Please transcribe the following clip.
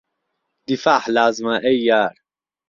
دیفاح لازمه ئهی یار